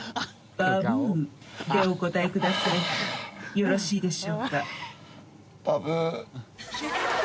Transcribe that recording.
「よろしいでしょうか？」